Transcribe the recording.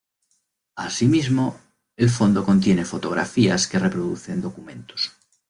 Asimismo, el fondo contiene fotografías que reproducen documentos.